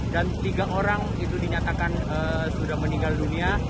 dan tiga orang itu dinyatakan sudah meninggal dunia